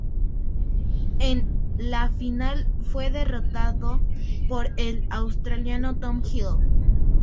En la final fue derrotado por el australiano Tom Hill.